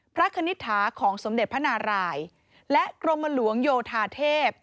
พระคณิตฐาของสมเด็จพระนารายย์และกรมบรรลวงโยธาเทพฯ